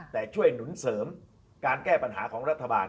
แต่ช่วยหนุนเสริมการแก้ปัญหาของรัฐบาล